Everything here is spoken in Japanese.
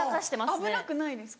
危なくないですか？